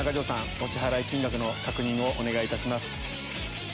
お支払い金額の確認をお願いいたします。